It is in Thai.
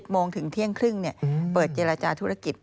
โมงถึงเที่ยงครึ่งเปิดเจรจาธุรกิจ